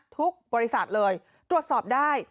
ทุกบริษัทเลยตรวจสอบได้